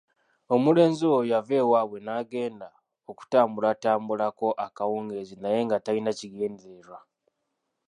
Omulenzi oyo yava ewaabwe n'agenda okutambulatambulako akawungeezi naye nga talina kigendererwa.